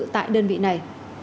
tại đơn vị này